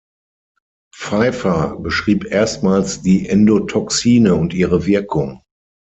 Pfeiffer beschrieb erstmals die Endotoxine und ihre Wirkung.